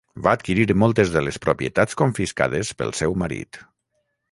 Va adquirir moltes de les propietats confiscades pel seu marit.